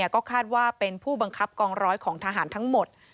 ก็คาดว่าเป็นผู้บังคับกองร้อยของทหารทั้งหมด